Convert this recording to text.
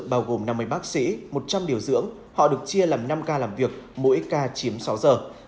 bao gồm năm mươi bác sĩ một trăm linh điều dưỡng họ được chia làm năm ca làm việc mỗi ca chiếm sáu giờ